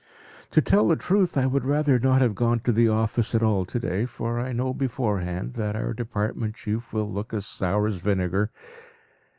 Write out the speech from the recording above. To tell the truth, I would rather not have gone to the office at all to day, for I know beforehand that our department chief will look as sour as vinegar.